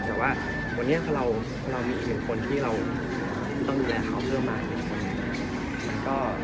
แต่ว่าวันนี้เรามีเพียงคนที่เราต้องดูแลเขาเพิ่มมา